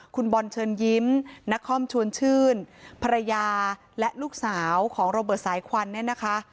คุณบอลเชิญยิ้มนักคอมชวนชื่นภรรยาและลูกสาวของโรเบิร์ตสายควันเนี่ยนะคะ